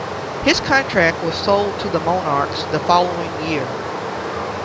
His contract was sold to the Monarchs the following year.